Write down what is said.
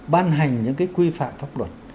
ban hành những cái quy phạm pháp luật